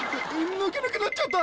抜けなくなっちゃった！